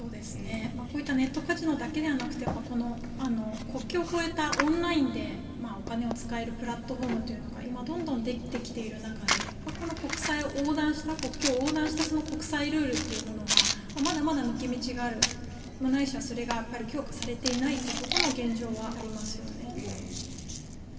こういったネットカジノだけではなくて国境を越えたオンラインでお金を使えるプラットフォームが今、どんどん出てきている中で国際を横断した国境を横断した国際ルールというものがまだまだ抜け道があるないしはそれが強化されていないということの現状はありますよね。